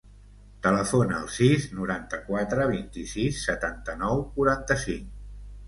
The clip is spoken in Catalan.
Telefona al sis, noranta-quatre, vint-i-sis, setanta-nou, quaranta-cinc.